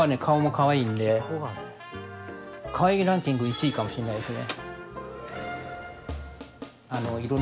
かわいいランキング１位かもしれないですね。